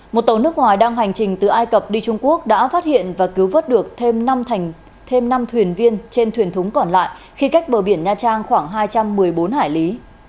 một tàu nước ngoài đang hành trình từ ai cập đi trung quốc đã phát hiện và cứu vớt được thêm năm thuyền viên trên thuyền thúng còn lại khi cách bờ biển nha trang khoảng hai trăm một mươi bốn hải lý